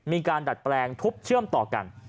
ดัดแปลงทุบเชื่อมต่อกัน